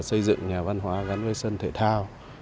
xây dựng nhà văn hóa gắn với sân thể thao